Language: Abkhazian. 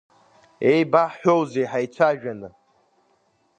Еибаҳҳәоузеи, ҳаицәажәаны?